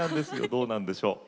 どうなんでしょう。